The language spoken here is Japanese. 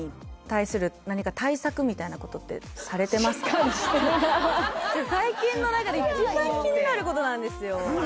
続いては皆さん最近の中で一番気になることなんですよ